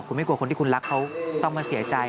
คุณไม่กลัวคนที่คุณรักเขาต้องมาเสียใจ